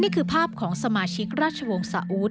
นี่คือภาพของสมาชิกราชวงศ์สาอูท